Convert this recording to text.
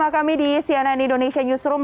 ya anda masih bersama kami di cnn indonesia newsroom